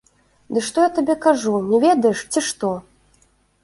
Ды што я табе кажу, не ведаеш, ці што?